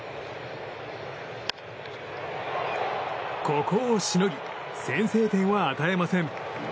ここをしのぎ先制点は与えません。